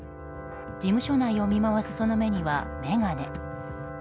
事務所内を見回すその目には眼鏡。